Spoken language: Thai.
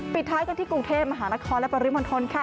ปิดท้ายกันที่กรุงเทพมหานครและปริมณฑลค่ะ